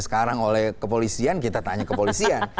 sekarang oleh kepolisian kita tanya kepolisian